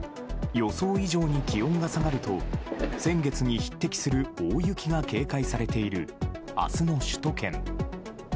予想以上に気温が下がると、先月に匹敵する大雪が警戒されているあすの首都圏。